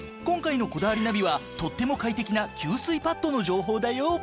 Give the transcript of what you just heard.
今回の『こだわりナビ』はとっても快適な吸水パッドの情報だよ！